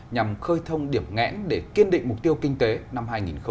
nhằm khơi thông điểm ngẽn để kiên định mục tiêu kinh tế năm hai nghìn hai mươi